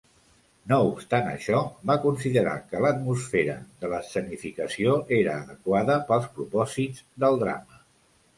No obstant això, va considerar que l'atmosfera de l'escenificació era adequada pels propòsits del drama.